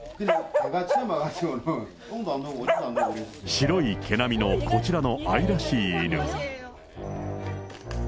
白い毛並みのこちらの愛らしい犬。